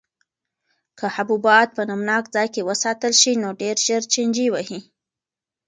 که حبوبات په نمناک ځای کې وساتل شي نو ډېر ژر چینجي وهي.